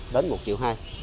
đến một triệu hai